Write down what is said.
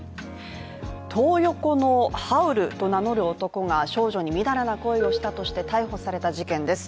トー横のハウルと名乗る男が少女にみだらな行為をしたとして逮捕された事件です。